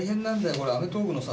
これ『アメトーーク』のさ